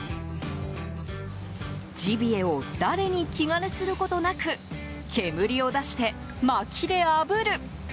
ジビエを誰に気兼ねすることなく煙を出して、まきであぶる。